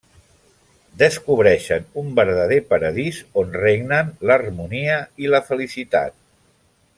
Descobreixen un verdader paradís on regnen l’harmonia i la felicitat.